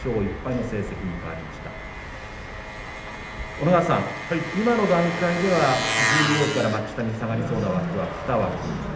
小野川さん、今の段階では十両から幕下に下がりそうな枠は２枠です。